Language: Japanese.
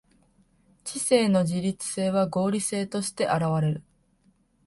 知性の自律性は合理性として現われる。